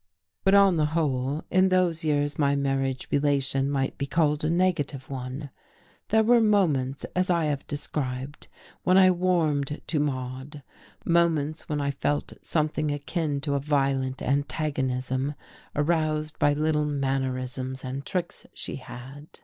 But on the whole, in those years my marriage relation might be called a negative one. There were moments, as I have described, when I warmed to Maude, moments when I felt something akin to a violent antagonism aroused by little mannerisms and tricks she had.